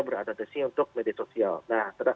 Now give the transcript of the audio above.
beradaptasi untuk media sosial nah terhadap